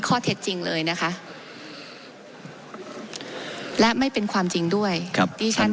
ข้อเท็จจริงเลยนะคะและไม่เป็นความจริงด้วยครับที่ฉัน